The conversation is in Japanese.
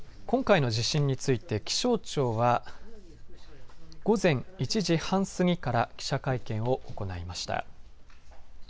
今回の地震について気象庁は午前１時半過ぎから記者会見を行いました。